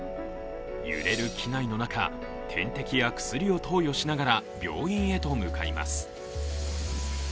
揺れる機内の中、点滴や薬を投与しながら病院へと向かいます。